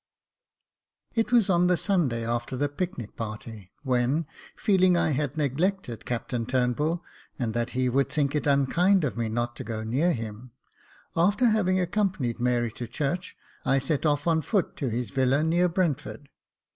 It was on the Sunday after the picnic party, when, feehng I had neglected Captain Turnbull, and that he would think it unkind of me not to go near him, after having ac companied Mary to church, I set off on foot to his villa near Brentford.